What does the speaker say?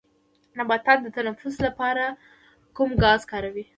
نباتات د تنفس لپاره کوم ګاز کاروي